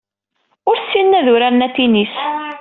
Ur ssinen ad uraren atennis.